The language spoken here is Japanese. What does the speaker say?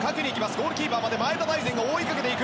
ゴールキーパーまで前田大然が追いかけていく。